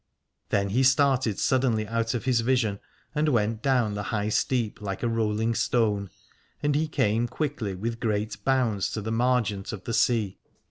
Then he started suddenly out of his vision and went down the High Steep like a rolling stone, and he came quickly with great bounds to the margent of the sea.